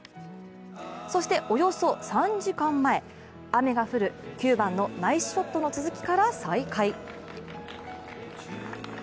そしておよそ３時間前、雨が降る９番のナイスショットの続きから再開。